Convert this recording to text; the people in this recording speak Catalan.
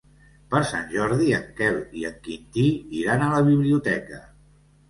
Per Sant Jordi en Quel i en Quintí iran a la biblioteca.